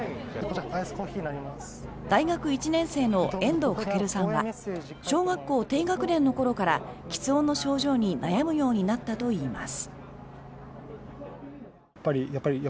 大学１年生の遠藤駈さんは小学校低学年の頃からきつ音の症状に悩むようになったといいます。